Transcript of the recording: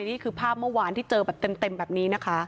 นี่คือภาพเมื่อวานที่เจอแบบเต็มแบบนี้นะคะ